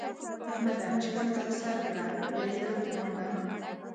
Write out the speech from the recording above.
احمده! چلم ته سر کړه؛ بيا يې دلته راوړه.